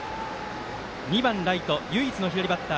２番、ライト、唯一の左バッター